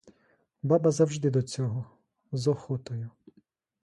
Баба завжди до цього — з охотою.